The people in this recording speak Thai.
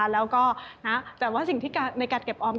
แต่ว่าสิ่งที่ในการเก็บออม